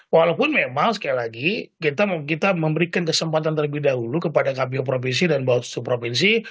walaupun memang sekali lagi kita memberikan kesempatan terlebih dahulu kepada kpu provinsi dan bawah seluruh provinsi